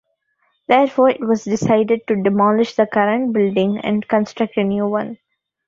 Therefore, it was decided to demolish the current building and construct a new one.